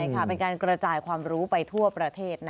ใช่ค่ะเป็นการกระจายความรู้ไปทั่วประเทศ